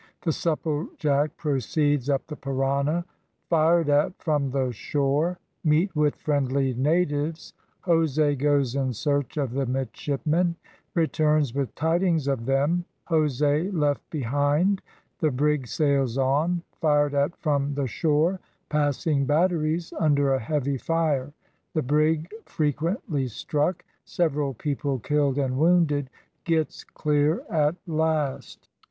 THE SUPPLEJACK PROCEEDS UP THE PARANA FIRED AT FROM THE SHORE MEET WITH FRIENDLY NATIVES JOSE GOES IN SEARCH OF THE MIDSHIPMEN RETURNS WITH TIDINGS OF THEM JOSE LEFT BEHIND THE BRIG SAILS ON FIRED AT FROM THE SHORE PASSING BATTERIES UNDER A HEAVY FIRE THE BRIG FREQUENTLY STRUCK SEVERAL PEOPLE KILLED AND WOUNDED GETS CLEAR AT LAST.